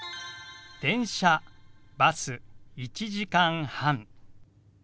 「電車」「バス」「１時間半」。